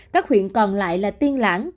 các huyện còn lại là tiên lãng